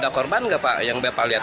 ada korban gak pak yang bepa lihat